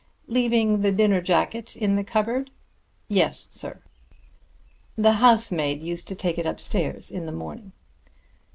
"Leaving the dinner jacket in the cupboard?" "Yes, sir. The housemaid used to take it upstairs in the morning."